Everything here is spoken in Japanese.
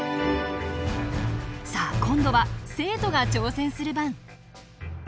さあ今度は生徒が挑戦する番。